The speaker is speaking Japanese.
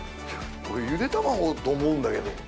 ゆで卵と思うんだけど。